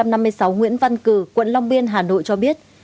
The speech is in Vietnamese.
nguyễn văn cử quận long biên hà nội cho biết